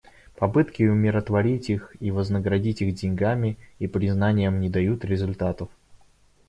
Попытки умиротворить их и вознаградить их деньгами и признанием не дают результатов.